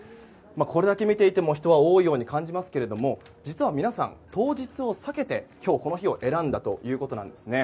これだけ見ていても人は多いように感じますが実は皆さん当日を避けて今日この日を選んだということなんですね。